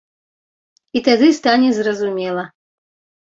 І тады стане зразумела.